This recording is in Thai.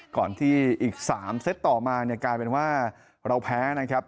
ก่อนที่อีก๓เซตต่อมาเนี่ยกลายเป็นว่าเราแพ้นะครับ